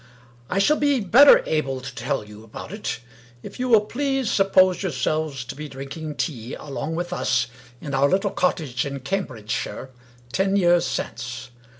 I shall be better able to tell you about it if you will please suppose yourselves to be drinking tea along with us in our little cottage in Cambridgeshire, ten years since.